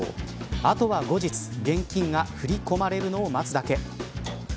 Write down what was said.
あとは後日、現金が振り込まれるのを待つだけ。